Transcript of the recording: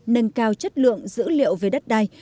nâng cao chất lượng dữ liệu về đất đai